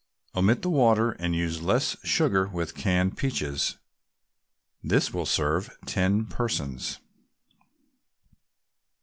Omit the water and use less sugar with canned peaches. This will serve ten persons.